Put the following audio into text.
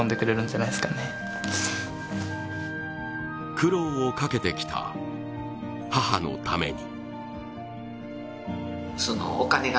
苦労をかけてきた母のために。